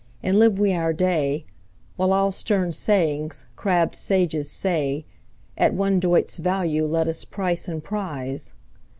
and live we our day, While all stern sayings crabbed sages say, At one doit's value let us price and prize!